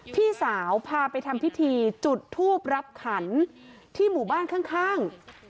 พี่สาวพาไปทำพิธีจุดทูปรับขันที่หมู่บ้านข้าง